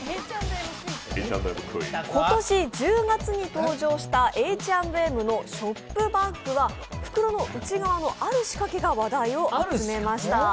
今年１０月に登場したＨ＆Ｍのショップバッグは、袋の内側のある仕掛けが話題になりました。